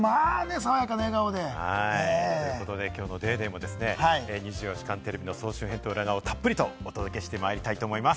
爽やかの笑顔で。ということで、きょうの『ＤａｙＤａｙ．』も『２４時間テレビ』の総集編と裏側をたっぷりとお届けしてまいりたいと思います。